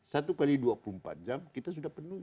satu kali dua puluh empat jam kita sudah penuhi